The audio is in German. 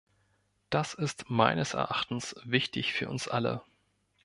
Das ist meines Erachtens wichtig für uns alle.